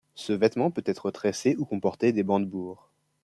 Ce vêtement peut être tressé ou comporter des brandebourgs.